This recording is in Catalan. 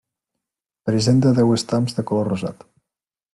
Presenta deu estams de color rosat.